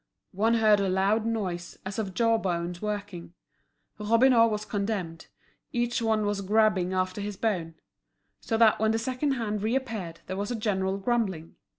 One heard a loud noise as of jaw bones working. Robineau was condemned, each one vas grabbing after his bone. So that when the second hand reappeared there was a general grumbling.